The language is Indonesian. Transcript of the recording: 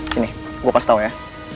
sini gue kasih tau ya